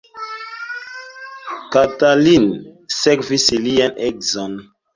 Katalin sekvis lian edzon.